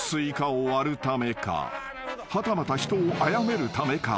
［はたまた人をあやめるためか］